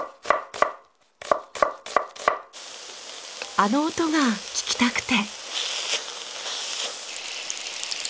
あの音が聞きたくて。